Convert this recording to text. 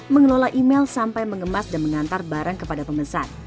mengelola email sampai mengemas dan mengantar barang kepada pemesan